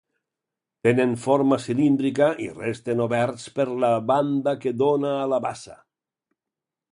Tenen forma cilíndrica i resten oberts per la banda que dóna a la bassa.